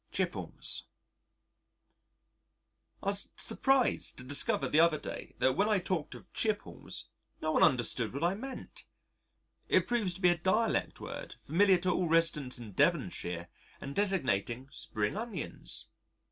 Chipples I was surprised to discover the other day that when I talked of Chipples no one understood what I meant! It proves to be a dialect word familiar to all residents in Devonshire and designating spring onions.